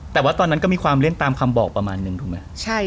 แต่ว่าตอนนั้นก็มีความเล่นตามคำบอกประมาณนึงถูกไหม